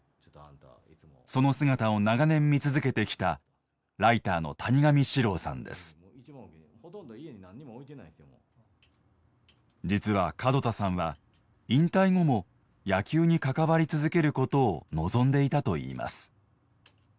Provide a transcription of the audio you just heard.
その姿を長年見続けてきた実は門田さんは引退後も野球に関わり続けることを望んでいたといいます。